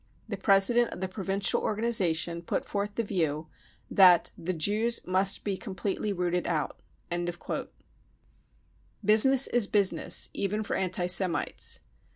The president of the pro vincial organisation put forward the view that ' the Jews must be completely rooted out.' " Business is Business — even for anti Semites.